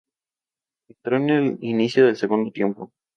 Entró en el inicio del segundo tiempo.